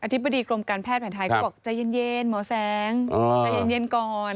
ธิบดีกรมการแพทย์แผนไทยก็บอกใจเย็นหมอแสงใจเย็นก่อน